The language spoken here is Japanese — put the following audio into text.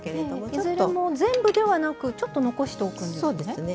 いずれも全部ではなくちょっと残しておくんですね。